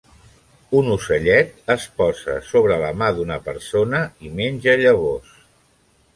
Un ocellet es posa sobre la mà d'una persona i menja llavors.